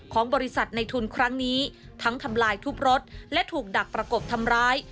ของบริษัทในทุนครั้งนี้ทั้งทำลายทุบรถและถูกดักประกบทำร้าย